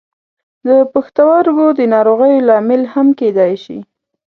د پښتورګو د ناروغیو لامل هم کیدای شي.